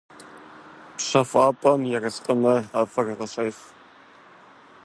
ПщэфӀапӀэм ерыскъымэ ӀэфӀыр къыщӀех…